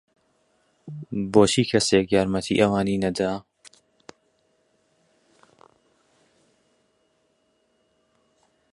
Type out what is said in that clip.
بۆچی کەسێک یارمەتیی ئەوانی نەدا؟